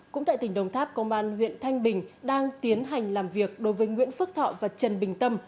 cũng tại tỉnh đồng tháp công an huyện thanh bình đang tiến hành làm việc đối với nguyễn phước thọ và trần bình tâm